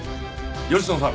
吉野さん。